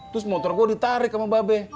terus motor gue ditarik sama mbak be